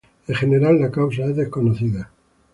En general, la causa es desconocida.